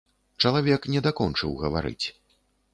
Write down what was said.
Чалавек не дакончыў гаварыць.